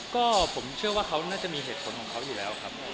ก็ผมเชื่อว่าเขาน่าจะมีเหตุผลของเขาอยู่แล้วครับ